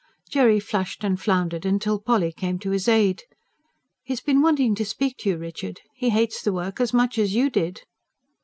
Jerry flushed and floundered, till Polly came to his aid. "He's been wanting to speak to you, Richard. He hates the work as much as you did."